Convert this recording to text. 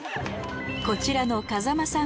こちらの風間さん